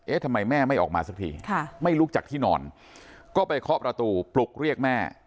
ทำไมแม่ไม่ออกมาสักทีไม่ลุกจากที่นอนก็ไปเคาะประตูปลุกเรียกแม่